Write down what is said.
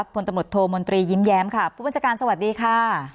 ผลตำรวจโทมนตรียิ้มแย้มค่ะผู้บัญชาการสวัสดีค่ะ